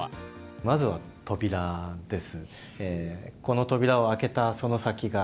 まず扉です。